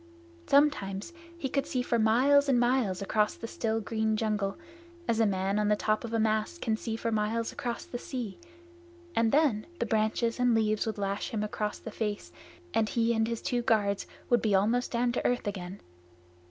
Sometimes he could see for miles and miles across the still green jungle, as a man on the top of a mast can see for miles across the sea, and then the branches and leaves would lash him across the face, and he and his two guards would be almost down to earth again.